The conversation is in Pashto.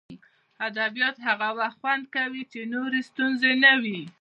ادبیات هغه وخت خوند کوي چې نورې ستونزې نه وي